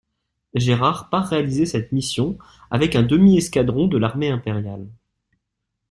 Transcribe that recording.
Gérard part réaliser cette mission avec un demi-escadron de l'armée impériale.